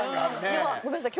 でもごめんなさい。